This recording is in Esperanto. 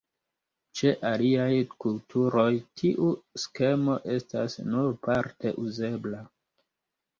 Ĉe aliaj kulturoj tiu skemo estas nur parte uzebla.